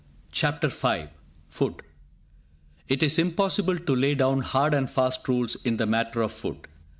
CHAPTER V FOOD It is impossible to lay down hard and fast rules in the matter of food.